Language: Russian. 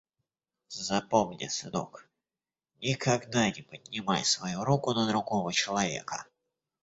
Запомни, сынок, никогда не поднимай свою руку на другого человека.